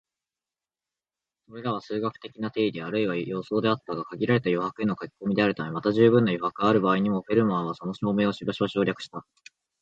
それらは数学的な定理あるいは予想であったが、限られた余白への書き込みであるため、また充分な余白がある場合にも、フェルマーはその証明をしばしば省略した